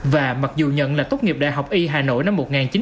và mặc dù nhận là tốt nghiệp đại học y hà nội năm một nghìn chín trăm bảy mươi